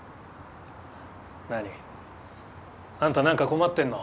あんた何か困ってんの？